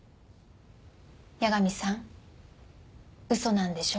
八神さん嘘なんでしょ？